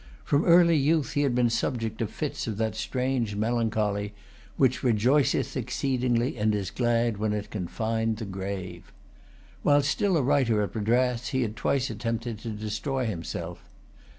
From early youth he had been subject to fits of that strange melancholy "which rejoiceth exceedingly and is glad when it can find the grave." While still a writer at Madras, he had twice attempted to destroy himself.